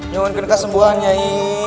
nyungun kena kesembuhan nyai